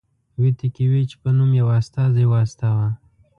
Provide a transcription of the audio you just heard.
ویتکي ویچ په نوم یو استازی واستاوه.